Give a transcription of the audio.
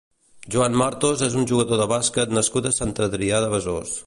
Juan Martos és un jugador de bàsquet nascut a Sant Adrià de Besòs.